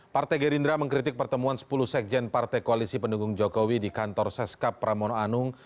partai gerindra mengkritik pertemuan sepuluh sekjen partai koalisi pendukung jokowi di kantor seskap pramono anung